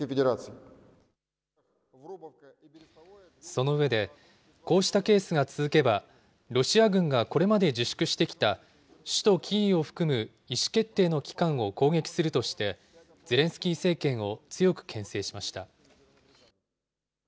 その上で、こうしたケースが続けば、ロシア軍がこれまで自粛してきた、首都キーウを含む意思決定の機関を攻撃するとして、ゼレンスキー政権を強くけん制しました。